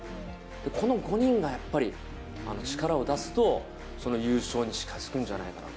この５人がやっぱり力を出すと、優勝に近づくんじゃないかなと。